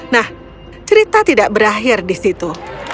nah cerita tidak berakhir di situ